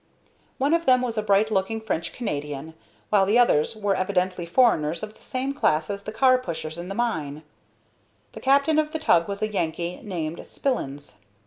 One of them was a bright looking French Canadian, while the others were evidently foreigners of the same class as the car pushers in the mine. The captain of the tug was a Yankee named Spillins.